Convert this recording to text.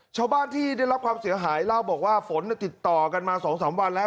ชาวบ้านที่ได้รับความเสียหายเล่าบอกว่าฝนติดต่อกันมา๒๓วันแล้ว